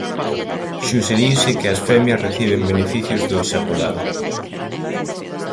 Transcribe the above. Suxeriuse que as femias reciben beneficios do exaculado.